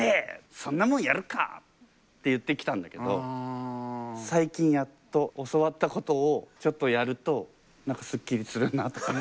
そんなもんやるか！」って言ってきたんだけど最近やっと教わったことをちょっとやると何かスッキリするな。